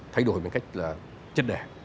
thay đổi bằng cách là chất đẻ